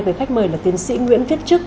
với khách mời là tiến sĩ nguyễn viết trức